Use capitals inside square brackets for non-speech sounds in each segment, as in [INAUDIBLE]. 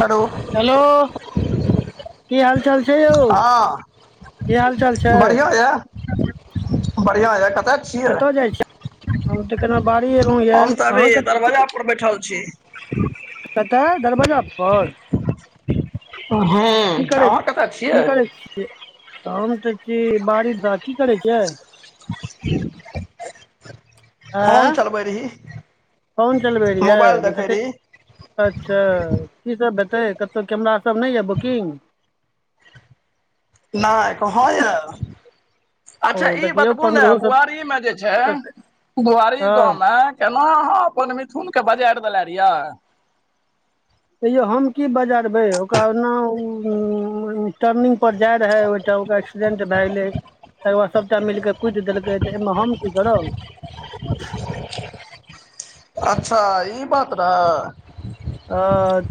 [INAUDIBLE] हलो hello की हाल चाल छै यौ हँ की हाल चाल छै बढ़िया ह कतेक कतऽ जाइ छी कि हम तऽ केना बाड़ी एलहुँ ये हम तऽ अहाँ अभी कत- दरवाजा पर बैठल छी कत दरवाजा पर की हँ करै आर त की करै छियै हम तऽ छी बारिकात की करै छियै [UNINTELLIGIBLE] आँय चलबै रही फोन चलबै मोबाइल रहियै देखै जतेक रही अच्छा की सब हेतै कतहु कैमरा सब नहि यऽ बुकिंग नहि ह य [UNINTELLIGIBLE] ओ अच्छा ई देखियौ बतबू ने पन्द्रहो सए बुआरीमे जे छै बुआरी हँ गाँवमे एना अहाँ अपन मिथुनके बजारि देले रहि तैयौ हम की बजारबै ओकरा नाउ टर्निंग पर जाय रहेै ओइठां ओकरा एक्सीडेंट भए गेलै तकर बाद सबटा मिल के कुटि देलकै एमे हम की करब अच्छा ई बात रहै अ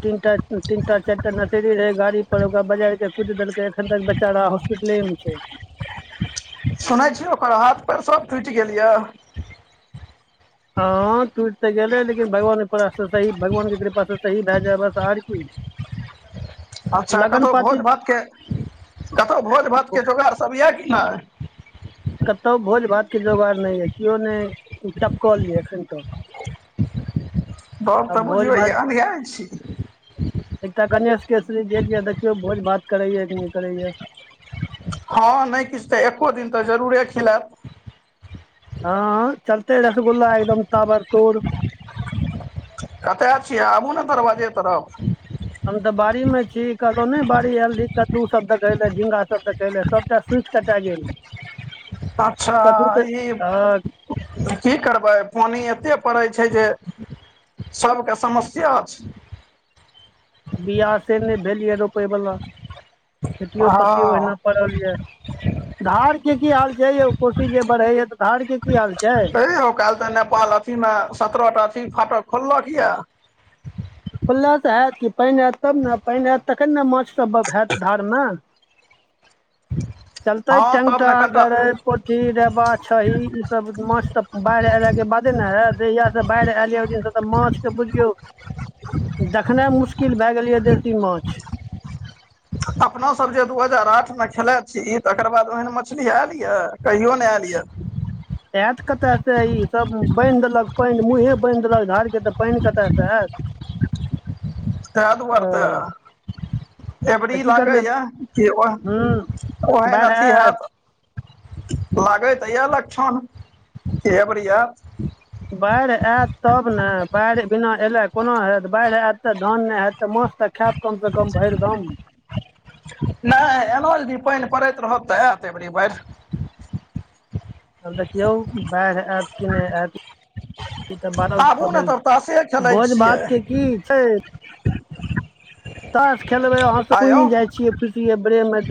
तीन टा तीन टा चारिटा नशेरी रहै गाड़ी पर ओकरा बजार के कुइट देलकै एखन तक बेचारा हॉस्पिटले मे छै सुनै छियै ओकर हाथ पैर सब टुटि गेल यऽ हँ टूटि तऽ गेलै लेकिन भगवानकेकृपा सही भगवान के कृपास से सही भए जाय बस आर की [INAUDIBLE] अच्छा लगन कतौ भोज पाती भातके कतौ भोज भातके जोगाड़सभ यऽ कि नइ कतौ भोज भात के जोगाड़ नइ अइ केओ नइ टपकलय एखन तक बप तऽ आब भोज बुझिौै य भात अन्धआ छी [UNINTELLIGIBLE] एकटा गणेश केसरी गेल ये देखियौ भोज भात करै कि नइ करै हँ नइ किछु तऽ एक्को दिन तऽ जरूरे खिलायब हँ चलतै रसगुल्ला एकदम ताबर तोड़ कतऽ छियै आबू ने दरवाजे तरफ हम तऽ बाड़ी मे छी कहलौं नइ बाड़ी आयल रहि कद्दू सब देखै ले झिंगा सब देख सबटा सुख टटा गेल अच्छा कद्दू तऽ ई हँ की करबै पानि एते पड़ै छै जे सबके समस्या छै बिआ से नइ भेलै इए रोपयवला खेतिओ पति ओहिना हँ पड़ल यए धार के की हाल छै यौ कोशी जे बढ़ैया धार के की हाल छै हे काल्ह तऽ नेपाल अथी मे सत्रह टा अथी फाटक खोललक यए खोललक ह त कि पानि आयत तब ने पानि आयत तखन ने माछ सब हयत धार न चलते हँ तब टेंटा ने कनिटा गरै पोठी रेबा छही ई सब माछ तऽ बाढ़ि अएला के बादे ने हैत जहिया से बाढ़ि एयल ओहि दिन सब त माछ त बुझियौ देखनाइ मुशकिल भए गेलै य देशी माछ अपनोसभ जे दू हजार आठमे खेलाइत छी तकर बाद ओहन मछली आयल यए कहियो नहि आयल यए एत कतय से ई सब बान्हि देलक पानि मुँहे बानहि देलक धार के तऽ पानि कतयसँ आयत ते दुआरे ओ त अबरी तऽ की करबै लागैए कि ओ हूँ ओहन बाढ़ि अथी आयत हैत लागै त इएह लक्षण एबरिया ऐत बाढ़ि आयत तब ने बाढ़ि बिना एयले कोना होयत बाढ़ि आयत तऽ धान नहि हयैत तऽ माछ तऽ खायब कमसँ कम भरि गाम नहि एना यदी पानि पड़ैत रहत तऽ आयत अबरी बाहिर आब देखियौ बैग आयत किनहि आयत तबार आबू ने भेल तब तासे खेलै भोज छियै भातके की छै ताश खेलबै अहा त आयौ उयम जाइ छियै खुशी ब्रेम मे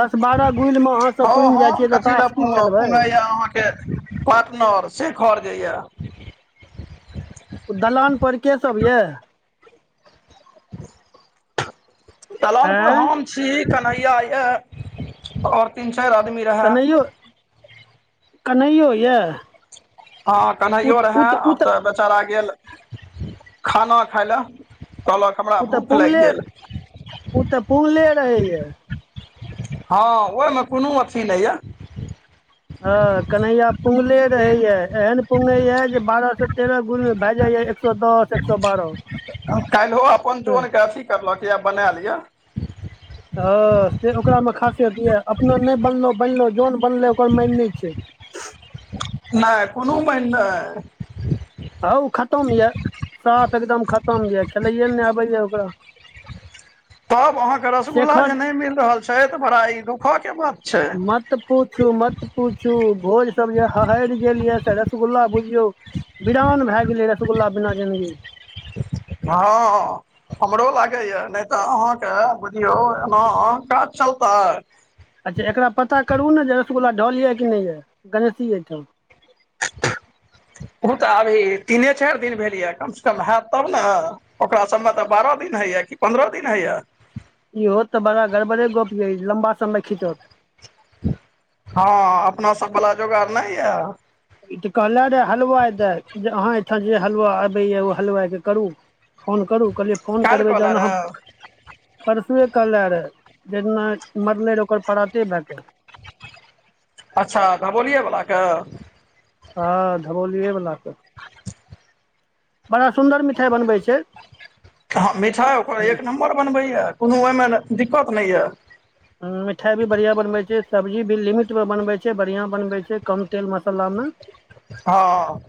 दस बारह गुल मे सब हउ पुनि जाइ हम छियै तऽ कथी ले ताश की पु खेलबै पुग य अहाँके पार्टनर शेखर जे यए दलान पर के सब यऽ दलानपर आँय हम छी कन्हैया यए और तीन चारि आदमी रहै कनहियो यऽ हँ उ कन्इयो उ रहै तऽ उ अब तऽ गेल खाना खााय ल कहल ओ तऽ पु्गले ओ तऽ पुङ्गले रहैए हँ ओहिमे कोनो अथी नहि यऽ ह कनहिया पुगले रहेएे एहन पुंगे ये जे बारह स तेरह गुण भए जाइया एक सए दस एक सए बारह करलय के आब बनालिअ हँ से ओकरामे खासियत यए अपो नहि बनलो बनलो जन बनलै ओकर मान नहि छै नहि कोनो माईन नहि हँ ओ खतम यऽ साफ एकदम खतम यऽ खेलैए ल नहि आबैए ओकरा [INAUDIBLE] तब अहाँके रसगुल्ला जे शेखर नहि मिल रहल छै तऽ बड़ा ई दुःखय के बात छै मत मत पूछू मत पूछू भोज सब जे हहरि गेल ये से रसगुल्ला बुझियौ बिरान भए गेलै रसगुल्ला बिना जन्दगी हँ हँ हमरो लागैए नहि तऽ अहाँके बुझियौ एना काज चलतै अच्छा एकरा पता करू ने जे रसगुल्ला ढल यऽ कि नहि यऽ गणेशी एहिठाम ओ तऽ अभी तीने चारि दिन भेल यए कमसँ कम हत तब ने ओकरा सभमे तऽ बारह दिन होइए कि पन्द्रह दिन होइए ईहोत ते बड़ा गड़बड़े गप य लम्बा समय खिचत हँ अपना सब वला जोगार नहि यऽ ई तऽ कहले रे हलवाइ दे जे अह आँहा ओयठाम जे हलुआ आबैए ओ हलुआाइके करू फोन करू कहलियै फोन काल्हि करबै कऽ ले जहन अहाँ रहे परसुए कहले रहए जे जइ दिन मरने रहै ओकर पराते भए कऽ अच्छा धबोलियए बला के हँ धबोलिये बला के बड़ा सुन्दर मिठाइ बनबै छै हँ मिठाइ ओकर एक नम्बर बनबैए कोनो ओहिमे दिक्कत नहि यऽ मिठाइभी बढ़िआँ बनैत छै सब्जी भी लिमिटमे बनबैत छै बढ़िआँ बनबै छै कम तेल मसालामे हँ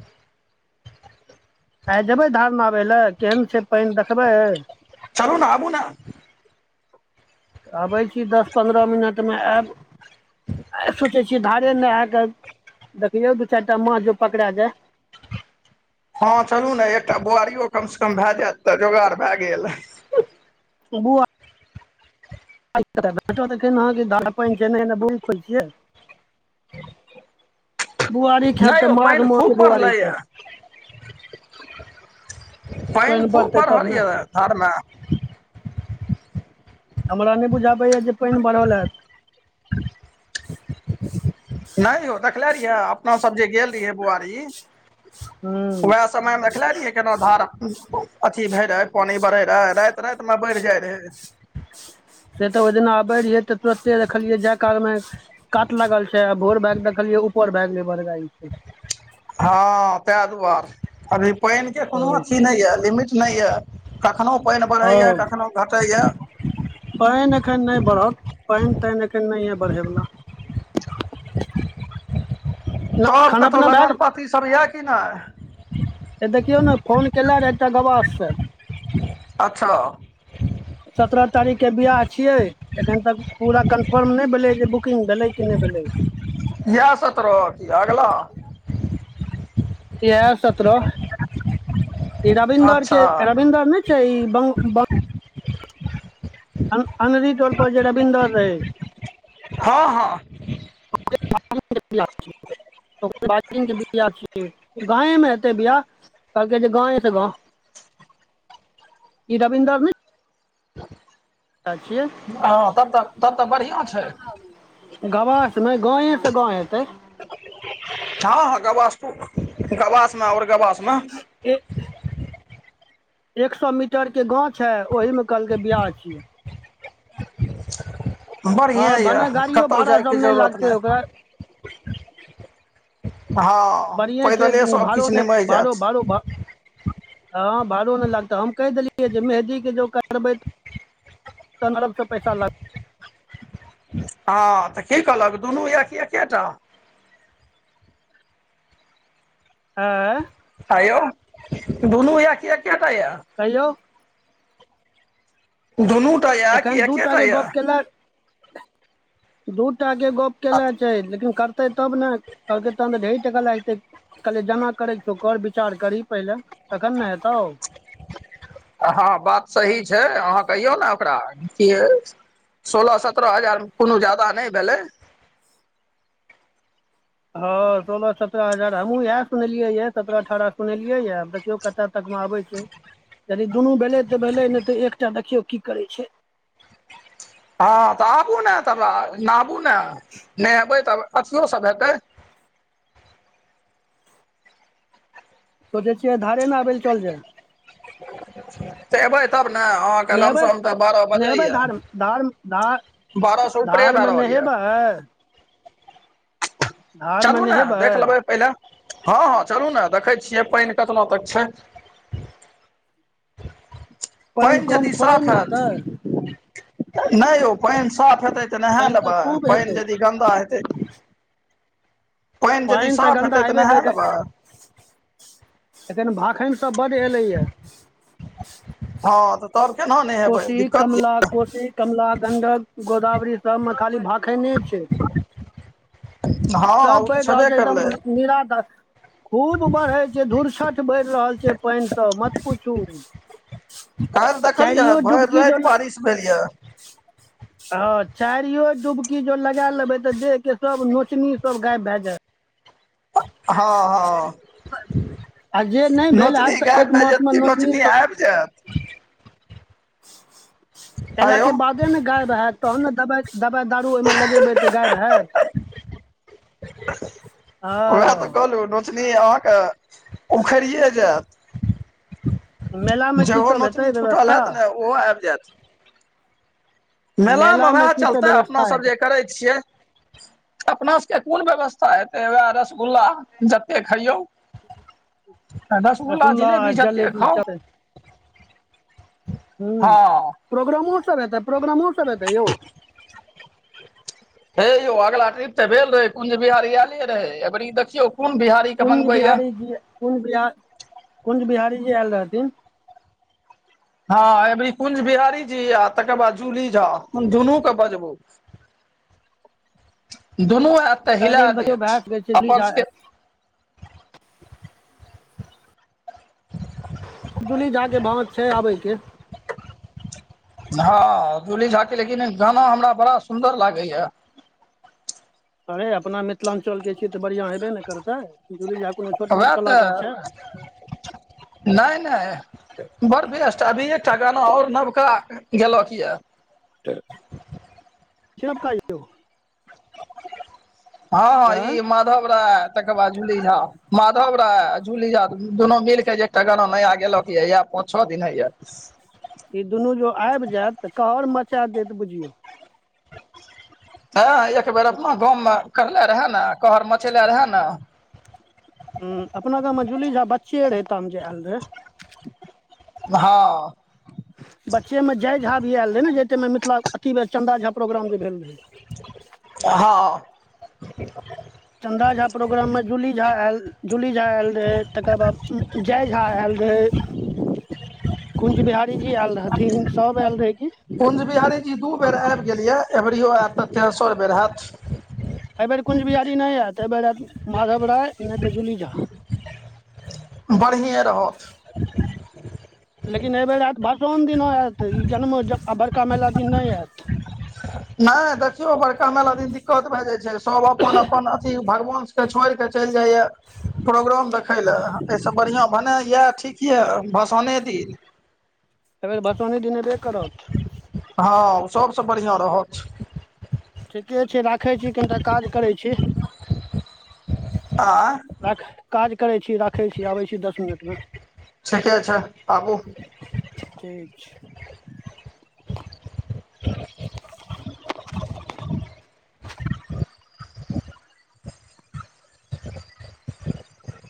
आइ जेबै धारमे आबय लए केहन छै पानि देखबै चलू ने आबू ने तऽ अबै छी दस पन्द्रह मिनटमे आयब आइ सोचे छियै धारे नहाके देखियौ दू चारि टा माछ जौ पकड़ा जाय हँ चलू ने एकटा बोआरियो कम से कम भए जायत तऽ जोगाड़ भए गेल बुआ बोआरी कत भेटत अखन अहांके धारि पानि छैहे नै बोआरी खोजै छियै बुआरी खायब नहि तऽ यौ माघ पानि मास खूब के बुआरी बढ़लैया खायब पानि खूब बढ़तै तब बढ़ल ने यऽ धारमे हमरा नहि बुझाबैय जे पानि बढ़ल हैत नहि यौ देखले रहियै अपना सब जे गेल रहियै बोआरी ह्म समय मे देखले रहियै केना धार अथी भय रहे पानी बढ़े रहे राति राति में बढ़ जाय रहे से तऽ ओहि दिना आबैत रहियै तऽ तुरन्ते देखलियै जाय कालमे कात लागल छै आ भोर भैक देखलियै ऊपर भै गेलै बरगाही के हँ ताहि दुआरे अभी पानि के कोनो अथी नहि यए लिमिट नहि ये कखनहु पानि बढ़ैए हँ कखनहु घटैए पानि एखन नहि बढ़त पानि तानि एखन नहि अइ बढ़यवला न तब खाना कतौ पीना भए लगन गेल पाती सभ यए कि नहि देखियौ ने फोन केले रहेऽ एकटा गवास से अच्छा सतरह तारीखके बियाह छियै एखन तक पूरा कन्फर्म नहि भेलै जे बुकिंग भेलै कि नै भेलै इएह सतरह कि अगला इएह सतरह ई रविन्द्र अच्छा के रविन्द्र ने छै ई अनरी टोलपर जे रबिन्दर रहै हँ हँ [UNINTELLIGIBLE] बियाह छियै गांवे मे हतै बियाह कलहकै जे गाँवे से गाँव ई रबीन्दर ने छियै हँ तब तऽ तब तऽ बढ़िआँ छै गवासे नै गाँवेसँ गाँव हेतै ह ह गवास तु गवास में और गवास में ई एक सौ मीटर के गांव छैै ओहि में कहलकै बियाह छियै हँ बढ़िएँ यए भने गाड़ियो कतहु भाड़ा जायके सब नै जरूरत लागतै नहि ओकरा हँ बढ़िए छै पैदले उ भाड़ो सभकिछु नै निमहि भाड़ो जायत भाड़ो भ हँ भाड़ो नहि लागतै हम कहि देलियै जे मेहदीके जे ओ करबै त तहन अलगसँ पैसा लाग हँ तऽ की कहलक दुनू या कि एकेटा आँ अयो दुनू या कि एकेटा या कहियौ दुनूटा यऽ कि एखन दू एकेटा यऽ दूटा के गप केने छै लेकिन कर तै तब ने कहलकै तहन तऽ ढेरी टका लागि जेतै कहलियै जेना करै के छौ कर विचार करही पहिले तखन ने हेतौ आ हँ बात सही छै अहाँ कहियौ ने ओकरा कि अछि सोलह सतरह हजार मे कोनो जादा नहि भेलै हँ सोलह सत्तरह हजार हमहूँ इएह सुनलियै यऽ सत्तरह अठारह सुनलियै यऽ आब देख देखियौ कतऽ तकमे आबै छै यदि दुनू भेलै तऽ भेलै नहि तऽ एकटा देखियौ की करै छै हँ तऽ आबू ने तब नहाबू ने नहेबै तब अथियो सभ हेतै सोचै छियै धारे ने आबै लए चल जाय तऽ एबै तब ने अहाँके नहेबै लमसम तऽ बारह बजे नहेबै या धारमे धार ध उपरे भए धारमे रहल यऽ नहेबै चलू धारमे ने नहेबै देख लेबै पहिले हँ हँ चलू ने देखै छियै पानि केतना तक छै पानि कम यदि थोड़े साफ ने हेतै हयत नहि यौ पानि साफ हेतै तऽ नहा पानि तऽ लेबै खूब पानि हेतै यदि गन्दा हेतै पानि यदि साफ हेतै तऽ नहा लेबै एत ने भख सब बड एलैएा हँ तऽ तब केना ने नहैबै कोशी दिक्कत य कमला कोशी कमला गण्डक गोदावरी सबमे खाली भाखैने छै हँ सब ओ तऽ बढ़ रहल छेबे छै एकदम करलै निरादार खूब बढ़े छै धुरछठ बढ़ि रहल छै पानि स मत पुछू काल्हि देखलियै भरि डुबकी राति बारिश भेल यए ह चारियो डुबकी जो लगा लेबै तऽ देह के सब नोचनी सब गायब भए जायत हँ हँ आ जे नहि भेल नोचनी हैत तऽ गायब एक भे जैत मासमे कि नोचनी आबि जायत ऐला आँयौ के बाद ने गायब हत तहन ने दवाइ दवाइ दारू ओहिमे लगेबै तऽ गायब हयैत [INAUDIBLE] ओएह तऽ ओ कहलहुँ नोचनी अहाँके उखरिये जायत मेलामे की जेहो सब हेतै नोचनी छूटल व्यवस्था हेत ने ओहो आबि जायत मेला मे मेलामे वएह की सब चलते अपना व्यवस्था सब हेतै जे करे छियै अपना सभके कोन व्यवस्था हेतै उएह रसगुल्ला जतेक खैयौ रखुल्ला आ जिलेबी जते जलेबी खाउ चलै हूँ हँ प्रोग्रामो सब हेतै प्रोग्रामो सब हेतै यौ हे यौ अगिला ट्रिप तऽ भेल रहै कुंज बिहार आयले रहै ऐबरी ई देखियौ कोन बिहार कुञ्ज बिहारी जी कुञ्ज बिहार कुञ्ज बिहारीजी आयल रहथिन हँ एबरी कुंज बिहारी जी आ तकर बाद जूली झा तन दुनू के बजबू दुनू आयत तऽ हिला एहिबेर देखियौ देत भए सकै छै जूली अपन झा से जुली झा के भावत छै आबैके हँ जली झा के लेकिन गाना हमरा बड़ा सुन्दर लागे या अरे अपना मिथिलाञ्चल के तऽ बढ़िया हेबे ने करतै जुली झा कोनो छोट मोट वएह कलाकार तऽ छै नहि नहि बड़ बेसट अभी एकटा गाना और नवका गेलक ये तऽ से काजौ हँ हँ आँय ई माधव राय आ तकर बाद जुली झा माधव राय आ जूली झा दुनू मिलके जे एकटा गाना नया गेलक यए इएह पाँच छओ दिन होइए ई दुनू जो आबि जायत तऽ कहर मचा देत बुझियो हँ एक बेर अपना गाँवमे करले रहए ने कहर मचेले रहए ने हूंम्म अपना गाँवमे जूली झा बच्चे रहै तहन जे आयल रहे हँ बच्चे मे जय झा भी आयल रहे ने जे मे मिथिला अति चंन्दा झा प्रोग्राम जे भेल रहे हँ चन्दा झा प्रोग्राममे जूली झा आयल जूली झा आयल रहै तकर बाद जय झा आयल रहै कुञज बिहारी जी आयल रहथिन सब आयल रहै की कुंज बिहारी जी दू बेर आबि गेल येऽ अबरियो आयत तऽ तेसर बेर होयत एहिबेर कुंज बिहारी नहि आयत एहि बेर आयत माधव राय नहि तऽ जूली झा बढ़िऐं रहत लेकिन एहिबेर आयत भसोन दिन आयत ई जन्म आ बड़का मेला दिन नहि आयत नहि देखियौ बड़का मेला दिन दिक्कत भए जाइ छै सब अपन अपन अथी भगवान के छोड़ कऽ चलि जाइये प्रोग्राम देखय लए एसँ बढ़िया भेनाइ याए ठीक येह ठीके भसोने दिन एहिबेर बसौने दिन एबे करत हँ ओ सबसँ बढ़ियाँ रहत ठीके छै राखै छी कनिटा काज करै छी आँय राखै काज करै छी राखै छी आबै छी दस मिनट मे ठीके छै आबू ठीक छै [INAUDIBLE] [INAUDIBLE]